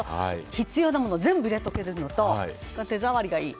必要なものを全部入れとけるのと手触りがいい。